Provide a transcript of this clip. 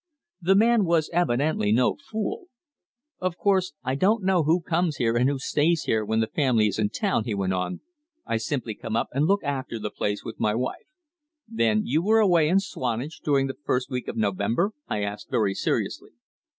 The man was evidently no fool. "Of course I don't know who comes here, or who stays here when the family is in town," he went on. "I simply come up and look after the place with my wife." "Then you were away in Swanage during the first week of November?" I asked very seriously.